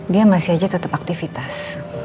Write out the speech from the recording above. dia masih aja tetap aktivitas